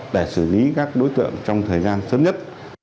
để xử lý các đối tượng trong thời gian sớm nhất